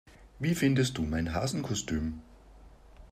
Wie findest du mein Hasenkostüm?